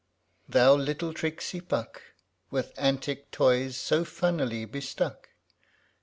) Thou little tricksy Puck ! With antic toys so funnily bestuck.